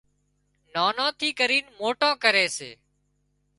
نانان ٿي ڪرينَ موٽان ڪري سي